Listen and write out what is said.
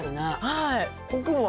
はい。